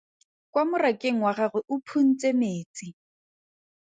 Kwa morakeng wa gagwe o phuntse metsi.